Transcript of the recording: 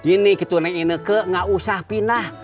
ini ke ine nggak usah pindah